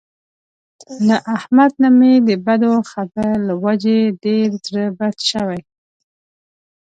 له احمد نه مې د بدو خبر له وجې ډېر زړه بد شوی.